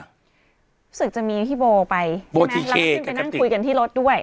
รู้สึกจะมีพี่โบไปเราก็ขึ้นไปนั่งคุยกันที่รถด้วย